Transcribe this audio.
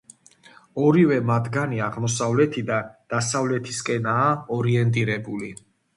ორივე მათგანი აღმოსავლეთიდან დასავლეთისკენაა ორიენტირებული.